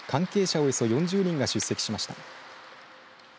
およそ４０人が出席しました。